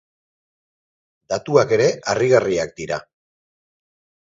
Datuak ere harrigarriak dira.